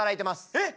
えっ！